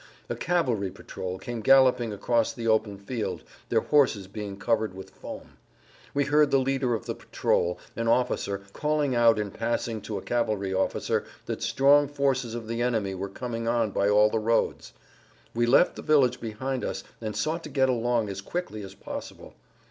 A cavalry patrol came galloping across the open field, their horses being covered with foam. We heard the leader of the patrol, an officer, call out in passing to a cavalry officer that strong forces of the enemy were coming on by all the roads. We left the village behind us and sought to get along as quickly as possible.